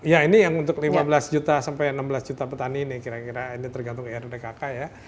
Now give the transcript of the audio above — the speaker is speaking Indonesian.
ya ini yang untuk lima belas juta sampai enam belas juta petani ini kira kira ini tergantung rudkk ya